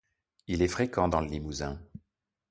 Il est fréquent dans le Limousin.